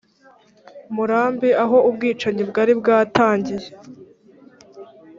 murambi aho ubwicanyi bwari bwatangiye